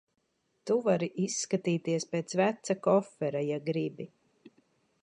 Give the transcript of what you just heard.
Tu vari izskatīties pēc veca kofera, ja gribi.